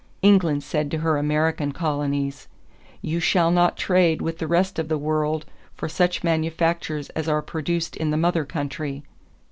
England said to her American colonies: 'You shall not trade with the rest of the world for such manufactures as are produced in the mother country.'